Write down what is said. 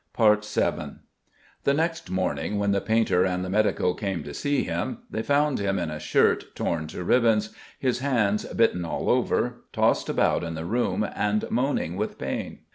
VII The next morning when the painter and the medico came to see him, they found him in a shirt torn to ribbons, his hands bitten all over, tossing about in the room and moaning with pain.